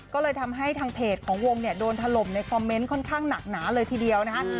ก็เลยทำให้ทางเพจของวงเนี่ยโดนถล่มในคอมเมนต์ค่อนข้างหนักหนาเลยทีเดียวนะฮะ